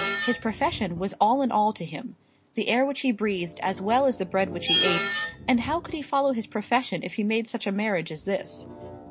His profession was all in all to him, the air which he breathed as well as the bread which he ate; and how could he follow his profession if he made such a marriage as this?